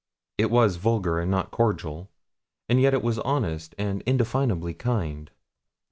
It was vulgar and not cordial, and yet it was honest and indefinably kind.